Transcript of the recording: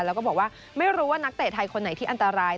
แล้วก็บอกว่าไม่รู้ว่านักเตะไทยคนไหนที่อันตราย